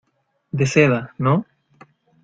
de seda. ¿ no?